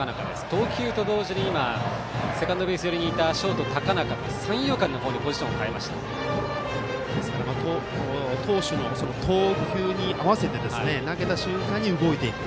投球と同時にセカンドベース寄りにいたショートの高中が三遊間の方に投手の投球に合わせて投げた瞬間に動いていく。